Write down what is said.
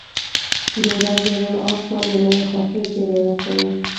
• د ورځې روڼ آسمان د نوې خوښۍ زیری ورکوي.